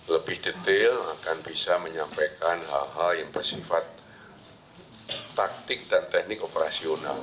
lebih detail akan bisa menyampaikan hal hal yang bersifat taktik dan teknik operasional